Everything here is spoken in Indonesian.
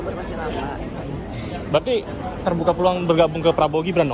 berarti terbuka peluang bergabung ke prabowo gibran